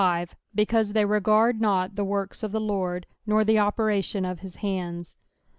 Becavie thejf regard not the tcortt of the Lord, nor the operation »f Am hand*